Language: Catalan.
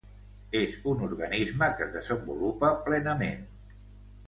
És un organisme que es desenvolupa plenament.